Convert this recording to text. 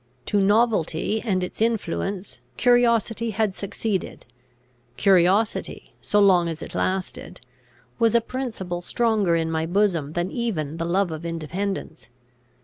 To novelty and its influence, curiosity had succeeded: curiosity, so long as it lasted, was a principle stronger in my bosom than even the love of independence.